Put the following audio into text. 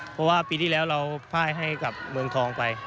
เพราะว่าปีที่แล้วเราพ่ายให้กับเมืองทองไป